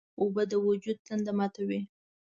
اوبه د وجود تنده ماتوي.